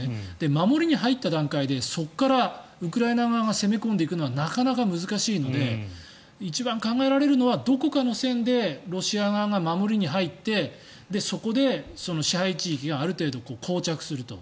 守りに入った段階でそこからウクライナ側が攻め込んでいくのはなかなか難しいので一番考えられるのはどこかの線でロシア側が守りに入ってそこで支配地域がある程度、こう着すると。